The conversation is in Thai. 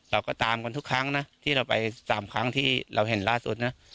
เราก็ตามกันทุกครั้งนะที่เราไป๓ครั้งที่เราเห็นล่าสุดนะ